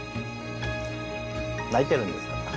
泣いてるんですか？